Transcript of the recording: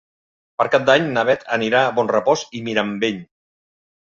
Per Cap d'Any na Beth anirà a Bonrepòs i Mirambell.